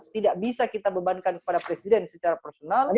tidak bisa kita bebankan kepada presiden secara personal